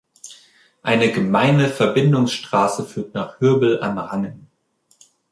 Eine Gemeindeverbindungsstraße führt nach Hürbel am Rangen.